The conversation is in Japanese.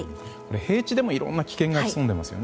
平地でもいろんな危険が潜んでいますよね。